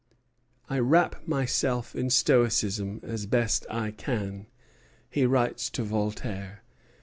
"I wrap myself in my stoicism as best I can," he writes to Voltaire.